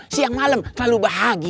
siang malem selalu bahagia